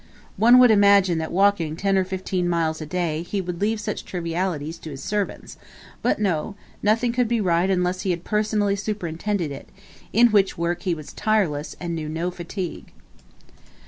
One would imagine that walking ten or fifteen miles a day, he would leave such trivialities to his servants, but no, nothing could be right unless he had personally superintended it; in which work he was tireless and knew no fatigue.